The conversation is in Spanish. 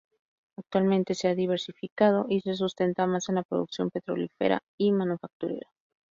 Actualmente, se ha diversificado, y se sustenta más en la producción petrolífera y manufacturera.